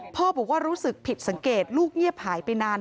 พ่อบอกว่ารู้สึกผิดสังเกตลูกเงียบหายไปนาน